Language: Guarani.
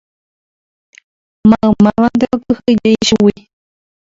Maymávante okyhyje ichugui.